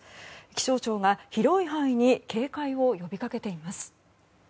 気象庁が広い範囲に警戒を呼びかけています。